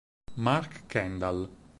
Mark Kendall